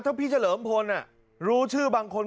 ถ้าพี่เจาะเหมือนคนรู้ชื่อบางคน